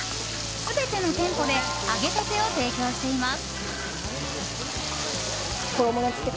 全ての店舗で揚げたてを提供しています。